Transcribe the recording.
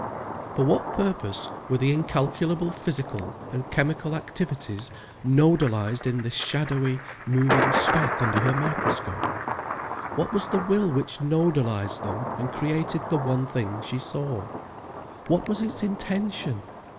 For what purpose were the incalculable physical and chemical activities nodalized in this shadowy, moving speck under her microscope? What was the will which nodalized them and created the one thing she saw? What was its intention?